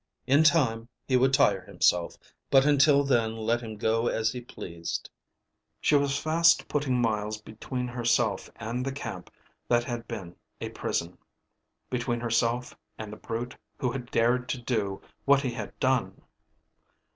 In time he would tire himself, but until then let him go as he pleased. She was fast putting miles between herself and the camp that had been a prison, between herself and the brute who had dared to do what he had done.